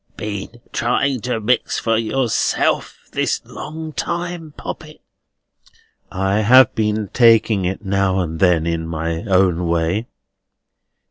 Been trying to mix for yourself this long time, poppet?" "I have been taking it now and then in my own way."